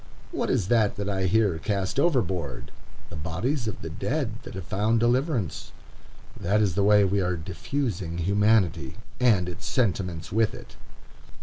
What is that that I hear cast overboard? The bodies of the dead that have found deliverance. That is the way we are "diffusing" humanity, and its sentiments with it.